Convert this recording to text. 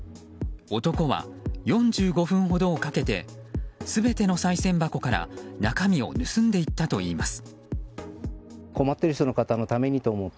男は４５分ほどをかけて全てのさい銭箱から中身を盗んでいったといいます。